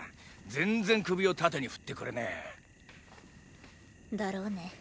全然首を縦に振ってくれねェ！だろうね。